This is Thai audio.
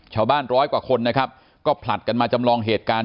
ร้อยกว่าคนนะครับก็ผลัดกันมาจำลองเหตุการณ์